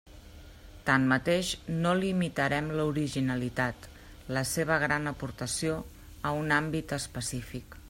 Tanmateix, no limitarem l'originalitat, la seva gran aportació, a un àmbit específic.